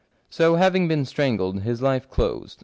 ' So having been strangled, his life closed.